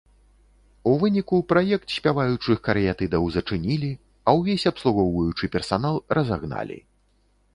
У выніку праект спяваючых карыятыдаў зачынілі, а ўвесь абслугоўваючы персанал разагналі.